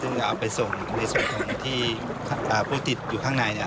อยู่เข้าไปส่งไปช่วงแลกพูดทิศอยู่ข้างใน